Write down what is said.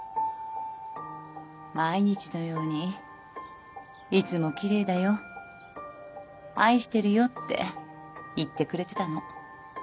毎日のように「いつもきれいだよ」「愛してるよ」って言ってくれてたの。